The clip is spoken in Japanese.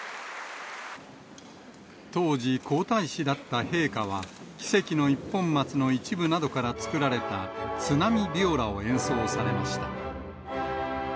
当時、皇太子だった陛下は、奇跡の一本松の一部などから作られた津波ビオラを演奏されました。